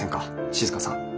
静さん。